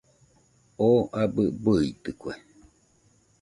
Oo abɨ bɨitɨkue